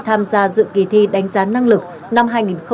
tham gia dự kỳ thi đánh giá năng lực năm hai nghìn hai mươi